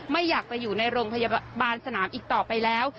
ไม่อยากไปอยู่ในโรงพยาบาลสนามอีกต่อไปแล้ว